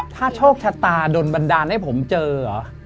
ถ้าโชคชะตาโดนบันดาลให้ผมเจอเหรอ